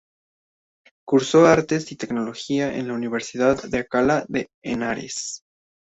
Cursó artes y teología en la Universidad de Alcalá de Henares.